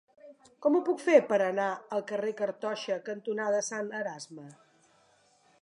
Com ho puc fer per anar al carrer Cartoixa cantonada Sant Erasme?